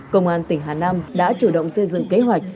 công an tỉnh hà nam đã chủ động xây dựng kế hoạch